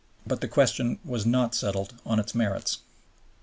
But the question was not settled on its merits.